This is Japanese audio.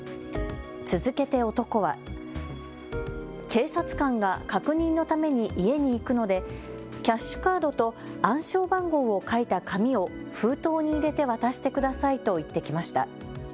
続けて男は警察官が確認のために家に行くのでキャッシュカードと暗証番号を書いた紙を封筒に入れて渡してくださいと言ってきました。